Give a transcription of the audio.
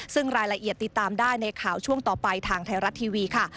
ซึ่งรายละเอียดติดตามได้ในข่าวช่วงต่อไปทางไทยรัฐทีวีค่ะ